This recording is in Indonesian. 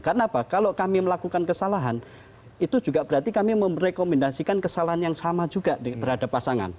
karena apa kalau kami melakukan kesalahan itu juga berarti kami merekomendasikan kesalahan yang sama juga terhadap pasangan